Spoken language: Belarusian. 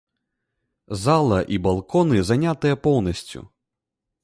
Зала і балконы занятыя поўнасцю.